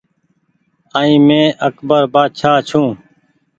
ائين مينٚ اڪبر بآڇآ ڇوٚنٚ